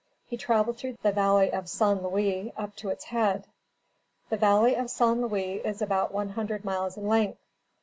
He traveled through the Valley of San Luis up to its head. The Valley of San Luis is about one hundred miles in length.